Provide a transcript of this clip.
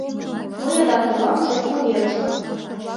Мый адак толам шочмо верышкак.